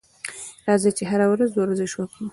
راځئ چې هره ورځ ورزش وکړو.